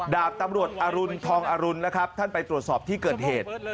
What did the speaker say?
ดาบตำรวจอรุณทองอรุณนะครับท่านไปตรวจสอบที่เกิดเหตุ